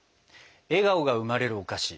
笑顔が生まれるお菓子